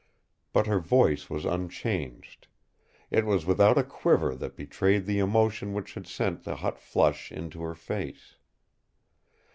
But her voice was unchanged. It was without a quiver that betrayed the emotion which had sent the hot flush into her face.